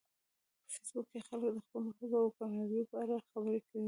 په فېسبوک کې خلک د خپلو هڅو او کامیابیو په اړه خبرې کوي